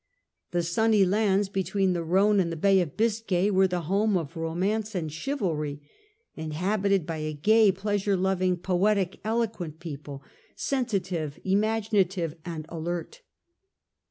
The sunny lands between the Rhone and the Bay of Biscay were the home of romance and chivalry, inhabited by a gay, pleasure loving, poetic, eloquent people, sensitive, imaginative and alert.